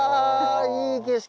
いい景色。